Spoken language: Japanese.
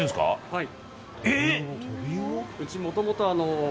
はい。